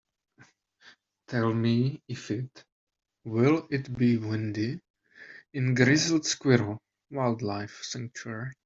Tell me if it will it be windy in Grizzled Squirrel Wildlife Sanctuary